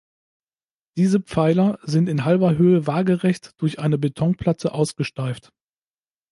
Diese Pfeiler sind in halber Höhe waagerecht durch eine Betonplatte ausgesteift.